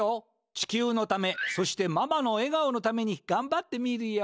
地球のためそしてママの笑顔のためにがんばってみるよ。